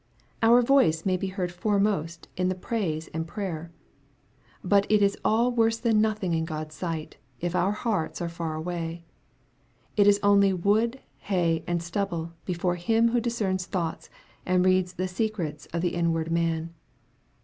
Our voice may be heard foremost in the praise and prayer. But it is all worse than nothing in God's sight, if our hearts art far away. It is only wood, hay, and stubble before Him who dis cerns thoughts, and reads the secrets of the inward man.